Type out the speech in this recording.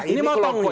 ini mau tonggung